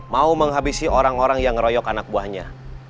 mau menghabisi orang orang yang ngeroyok anak buahnya